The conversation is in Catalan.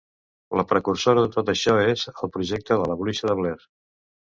La precursora de tot això és 'El projecte de la bruixa de Blair'.